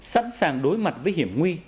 sẵn sàng đối mặt với hiểm nguy